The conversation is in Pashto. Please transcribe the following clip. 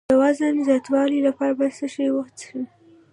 د وزن زیاتولو لپاره باید څه شی وڅښم؟